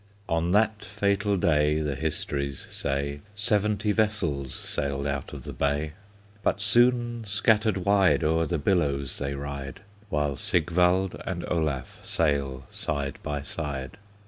On that fatal day, The histories say, Seventy vessels Sailed out of the bay. But soon scattered wide O'er the billows they ride, While Sigvald and Olaf Sail side by side.